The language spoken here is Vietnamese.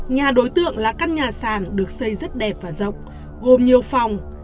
nhà đối tượng là căn nhà sàn được xây rất đẹp và rộng gồm nhiều phòng